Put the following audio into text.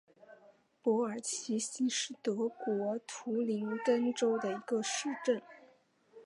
珀尔齐希是德国图林根州的一个市镇。